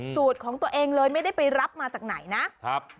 สูตรของตัวเองเลยไม่ได้ไปรับมาจากไหนนะครับ